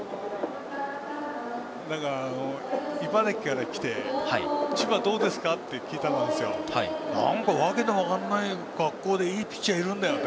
茨城から来て千葉、どうですかって聞いたら訳のわからない学校でいいピッチャーがいるんだよって。